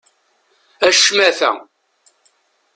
A ccmata!